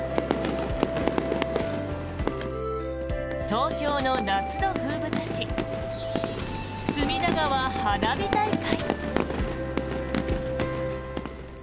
東京の夏の風物詩隅田川花火大会。